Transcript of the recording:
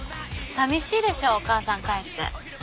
さみしいでしょうお母さん帰って。